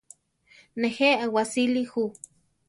Nejé awasíli ju.